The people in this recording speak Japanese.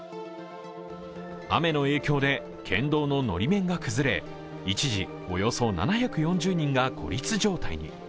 雨の影響で、県道ののり面が崩れ一時、およそ７４０人が孤立状態に。